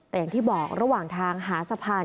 แต่อย่างที่บอกระหว่างทางหาสะพาน